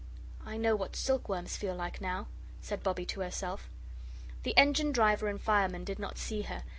"I know what silk worms feel like now," said Bobbie to herself. The engine driver and fireman did not see her.